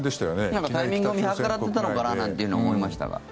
なんかタイミングを見計らっていたのかなと思いましたが。